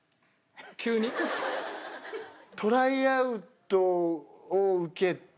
トライアウトを受けて。